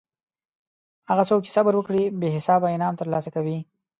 هغه څوک چې صبر وکړي بې حسابه انعام ترلاسه کوي.